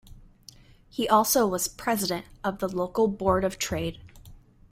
He also was president of the local Board of Trade.